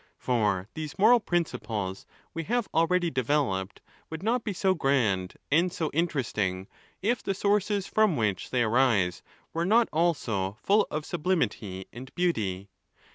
For these moral principles we have already developed, would not be so grand and so interesting, if the sources from which they arise were not also full of sublimity and beauty.